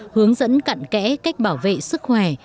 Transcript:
hướng dẫn cận kẽ cách bảo vệ sức khỏe